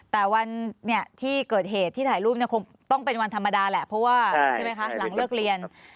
แต่วันที่เกิดเหตุที่ถ่ายรูปเนี่ยคงต้องเป็นวันธรรมดาแหละเพราะว่าใช่ไหมคะหลังเลิกเรียน